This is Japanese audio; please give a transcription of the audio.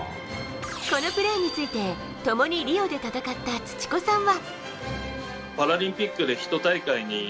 このプレーについて共にリオで戦った土子さんは。